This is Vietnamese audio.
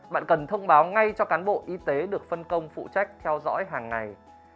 bạn cần thông báo ngay cho cán bộ y tế được phân công phụ trách theo dõi hàng ngày